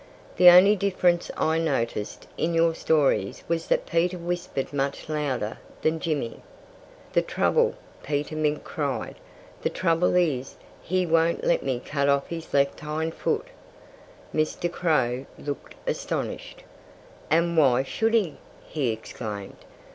The only difference I noticed in your stories was that Peter whispered much louder than Jimmy." "The trouble," Peter Mink cried, "the trouble is, he won't let me cut off his left hind foot!" Mr. Crow looked astonished. "And why should he?" he exclaimed.